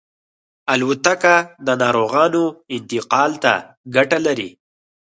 الوتکه د ناروغانو انتقال ته ګټه لري.